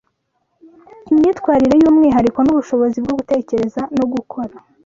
Imyitwarire y’umwihariko n’ubushobozi bwo gutekereza no gukora